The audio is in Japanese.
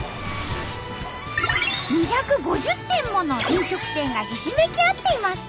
２５０店もの飲食店がひしめき合っています。